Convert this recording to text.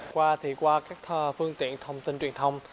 qua thì qua các phương tiện thông tin truyền thông